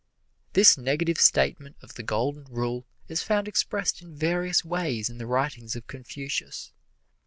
This negative statement of the Golden Rule is found expressed in various ways in the writings of Confucius.